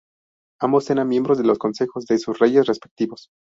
Ambos eran miembros de los consejos de sus reyes respectivos.